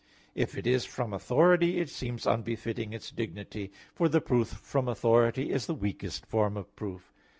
If it is from authority, it seems unbefitting its dignity, for the proof from authority is the weakest form of proof.